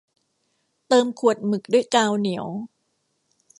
เติมขวดหมึกด้วยกาวเหนียว